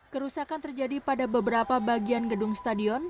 kerusakan terjadi pada beberapa bagian gedung stadion